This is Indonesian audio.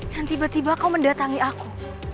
dan tiba tiba kau mendatangi aku